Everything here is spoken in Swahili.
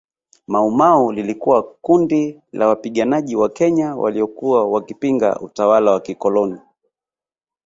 Maumau lilikuwa kundi la wapiganaji wa Kenya waliokuwa wakipinga utawala wa kikoloni